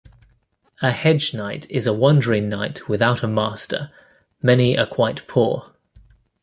A Hedge Knight is a wandering knight without a master, many are quite poor.